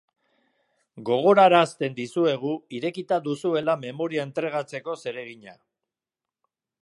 Gogorarazten dizuegu irekita duzuela memoria entregatzeko zeregina.